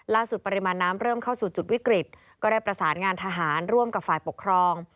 ปริมาณน้ำเริ่มเข้าสู่จุดวิกฤตก็ได้ประสานงานทหารร่วมกับฝ่ายปกครอง